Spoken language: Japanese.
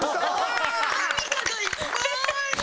「アンミカがいっぱい！」